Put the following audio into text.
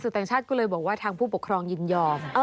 ต่างชาติก็เลยบอกว่าทางผู้ปกครองยินยอม